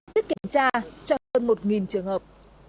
tiếp kiểm tra cho hơn một trường hợp